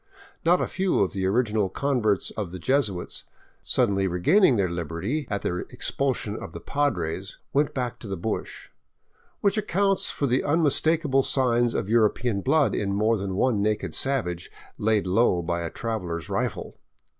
Not a few of the original con verts of the Jesuits, suddenly regaining their liberty at the expulsion of the Padres, '* went back to the bush," which accounts for the unmis takable signs of European blood in more than one naked savage laid low by a traveler's rifle.